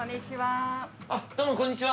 どうもこんにちは。